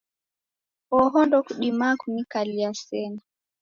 Oho ndokudimaa kunikalia sena.